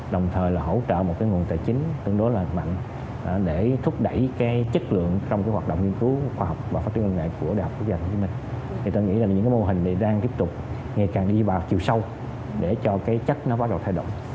đồng thời là hỗ trợ một nguồn tài chính